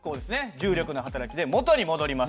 重力の働きで元に戻ります。